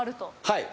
はい。